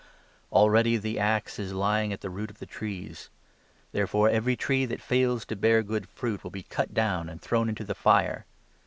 Already the axe is lying at the root of the 10 trees. Therefore every tree that fails to bear good fruit will be cut down and thrown into the fire.